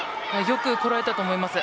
よくこらえたと思います。